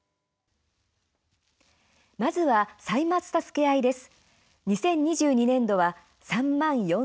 まずは「歳末たすけあい」です。